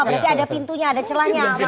berarti ada pintunya ada celahnya